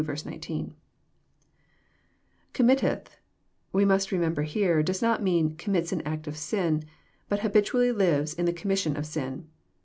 <* Committeth," we must remember here, does not mean << commits an act of sin," but habitually lives in the commission of sin.